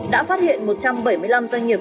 đã phát hiện một trăm bảy mươi năm doanh nghiệp